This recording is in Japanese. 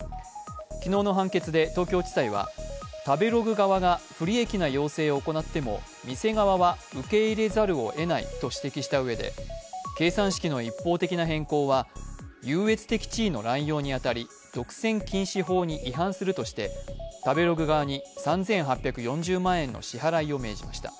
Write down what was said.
昨日の判決で東京地裁は、食べログ側が不利益な要請を行っても店側は受け入れざるをえないと指摘したうえで計算式の一方的な変更は優越的な地位の乱用にあたり独占禁止法に違反するとして食べログ側に３８４０万円の支払いを命じました。